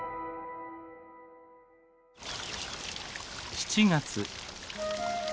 ７月。